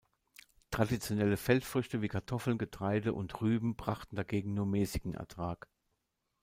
Traditionelle Feldfrüchte wie Kartoffeln, Getreide und Rüben brachten dagegen nur mäßigen Ertrag.